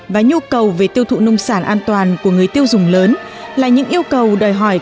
và nhu cầu về tiêu thụ nông sản an toàn của người tiêu dùng lớn là những yêu cầu đòi hỏi